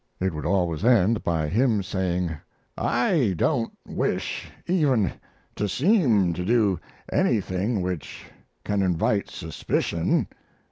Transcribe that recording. It would always end by him saying: "I don't wish even to seem to do anything which can invite suspicion.